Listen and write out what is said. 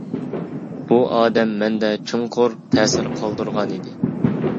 بۇ ئادەم مەندە چوڭقۇر تەسىر قالدۇرغانىدى.